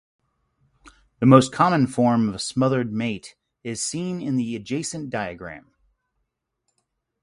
The most common form of smothered mate is seen in the adjacent diagram.